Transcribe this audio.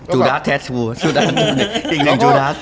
จูดรักแทตูอีกหนึ่งจูดรัก